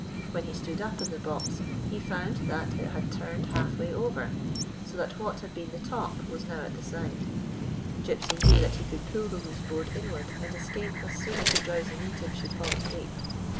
When he stood up in the box he found that it had turned half way i59 GYPSY, THE TALKING DOG over, so that what had been the top was now at the side. Gypsy knew that he could pull the loose board inward and escape as soon as the drowsy native should fall asleep.